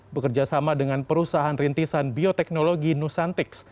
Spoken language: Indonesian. bekerjasama dengan perusahaan rintisan bioteknologi nusantix